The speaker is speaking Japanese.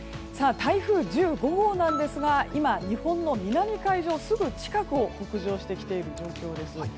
台風１５号なんですが今、日本の南海上のすぐ近くを北上してきている状況です。